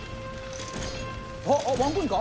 あっワンコインか！？